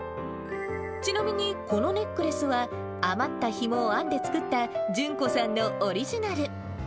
ちなみにこのネックレスは、余ったひもを編んで作った順子さんのオリジナル。